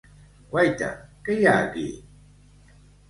Guaita, qui hi ha aquí!